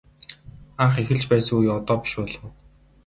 Анх эхэлж байсан үе одоо биш болов.